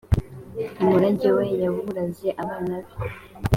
umurage we yawuraze abana be.